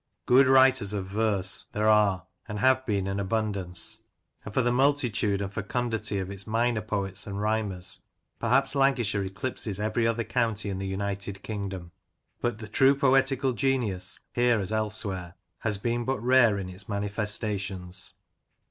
Good writers of verse there are and have been in abundance ; and for the multitude and fecundity of its minor poets and rhymers, perhaps Lancashire eclipses every other county in the United King dom. But the true poetical genius, here as elsewhere, has been but rare in its manifestations.